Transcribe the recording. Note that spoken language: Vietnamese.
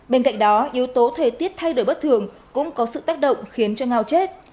bên cạnh đó yếu tố thời tiết thay đổi bất thường cũng có sự tác động khiến cho ngao chết